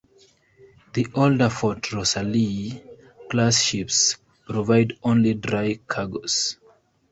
The older "Fort Rosalie"-class ships provide only dry cargoes.